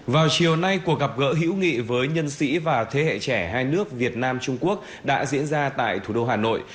vào chiều nay cuộc gặp gỡ hữu nghị với nhân sĩ và thế hệ trẻ hai nước việt nam trung quốc đã diễn ra tại thủ đô hà nội